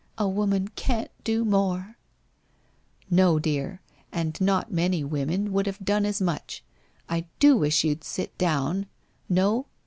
A woman can't do more !'' No, dear, and not many women would have done as much. I do wish you'd sit down? No?